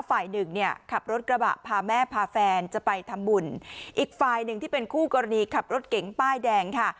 ฝ่ายหนึ่งเนี่ยขับรถกระบะพาแม่พาแฟนจะไปทำบุญอีกฝ่ายหนึ่งที่เป็นคู่กรณีขับรถเก๋งป้ายแดงค่ะ